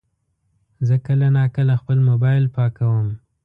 زه کله ناکله خپل موبایل پاکوم.